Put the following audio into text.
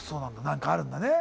何かあるんだね。